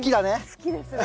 好きですね。